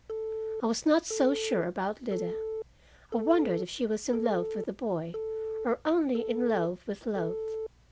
I was not so sure about Lida. I wondered if she was in love with the boy, or only in love with love.